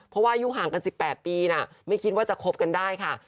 เพราะว่าอายุห่างกัน๑๘ปีนะไม่คิดว่าจะคบกันได้ค่ะ